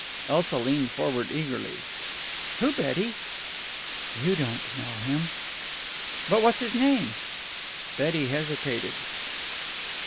Elsa leaned forward eagerly. "Who, Betty?" "You don't know him." "But what's his name?" Betty hesitated.